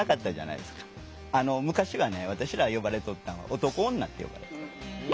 昔はね私ら呼ばれとったんは「男女」って呼ばれとった。